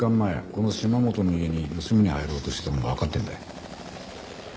この島本の家に盗みに入ろうとしてたのがわかってるんだよ。